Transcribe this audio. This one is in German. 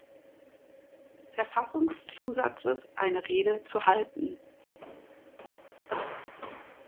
Verfassungszusatzes eine Rede zu halten.